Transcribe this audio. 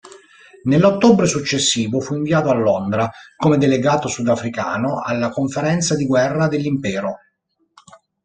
Nell'ottobre successivo fu inviato a Londra come delegato sudafricano alla Conferenza di guerra dell'Impero.